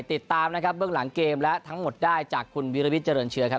ติดตามนะครับเบื้องหลังเกมและทั้งหมดได้จากคุณวิรวิทยเจริญเชื้อครับ